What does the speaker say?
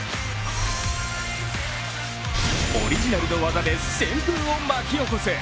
オリジナルの技で旋風を巻き起こす！